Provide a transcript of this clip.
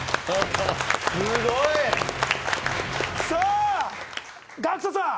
すごいさあＧＡＣＫＴさん